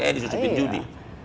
eh disusupin judi